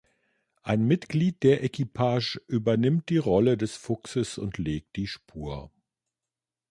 Ein Mitglied der Equipage übernimmt die Rolle des Fuchses und legt die Spur.